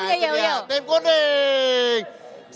semangatan mahal nasib baiknya ini yaa